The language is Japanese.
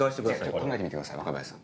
考えてみてください若林さん